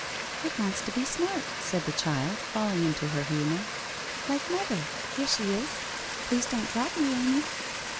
' It wants to be smart! ' said the child, falling into her humour. ' Like mother. Here she is ! Please don't drop me, Amy.'